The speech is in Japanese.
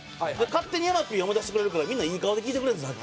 勝手に山Ｐを思い出してくれるからみんないい顔で聴いてくれるんですよ